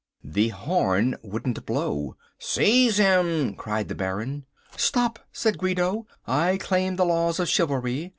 The horn wouldn't blow! "Seize him!" cried the Baron. "Stop," said Guido, "I claim the laws of chivalry.